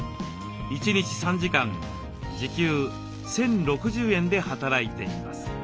１日３時間時給１，０６０円で働いています。